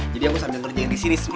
jadi yang gue sambil ngerjain disini